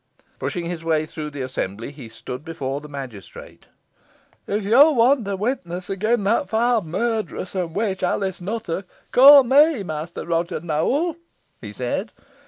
Pushing his way through the assemblage, he stood before the magistrate. "If yo want a witness agen that foul murtheress and witch, Alice Nutter, ca' me, Master Roger Nowell," he said.